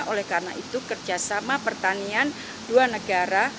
oleh karena itu kerjasama pertanian dua negara